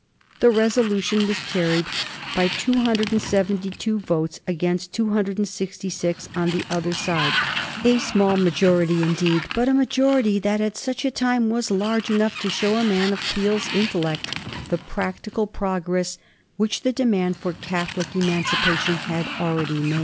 The resolution was carried by 272 votes against 266 on the other side, a small majority, indeed, but a majority that at such a time was large enough to show a man of Peel's intellect the practical progress which the demand for Catholic Emancipation had already made.